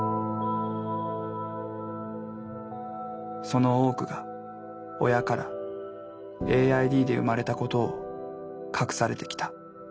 その多くが親からＡＩＤで生まれたことを隠されてきた。